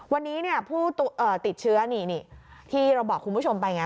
วันนี้ผู้ติดเชื้อนี่ที่เราบอกคุณผู้ชมไปไง